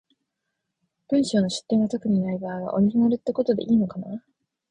文章の出典が特にない場合は、オリジナルってことでいいのかな？